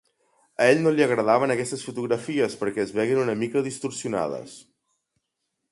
A ell no li agradaven aquestes fotografies perquè es veien una mica distorsionades.